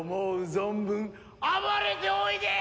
存分暴れておいで！